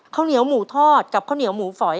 ข้าวเหนียวหมูทอดกับข้าวเหนียวหมูฝอย